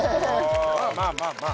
まあまあまあまあ。